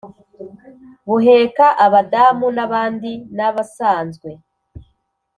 Buheka Abadamu nabandi nabsanzwe